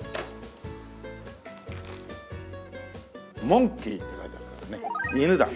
「ＭＯＮＫＥＹ」って書いてあるからね犬だね。